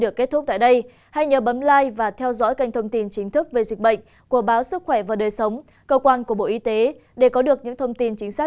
ông tâm cho biết